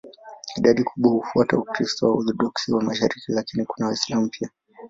Idadi kubwa hufuata Ukristo wa Waorthodoksi wa mashariki, lakini kuna Waislamu pia.